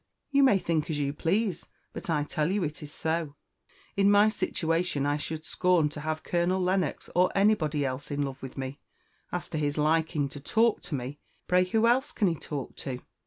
"You may think as you please, but I tell you it is so. In my situation I should scorn to have Colonel Lennox, or anybody else, in love with me. As to his liking to talk to me, pray who else can he talk to?